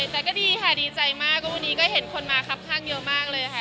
แต่ก็ดีค่ะดีใจมากก็วันนี้ก็เห็นคนมาครับข้างเยอะมากเลยค่ะ